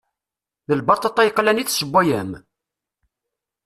D lbaṭaṭa yeqlan i tessewwayem?